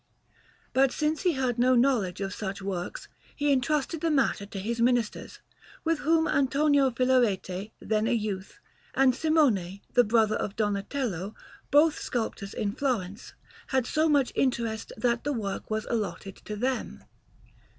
But since he had no knowledge of such works, he entrusted the matter to his ministers, with whom Antonio Filarete, then a youth, and Simone, the brother of Donatello, both sculptors of Florence, had so much interest, that the work was allotted to them.